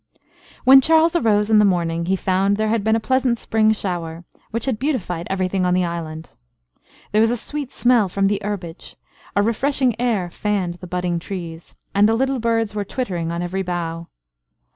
When Charles arose in the morning, he found there had been a pleasant spring shower, which had beautified every thing on the island. There was a sweet smell from the herbage, a refreshing air fanned the budding trees, and the little birds were twittering on every bough.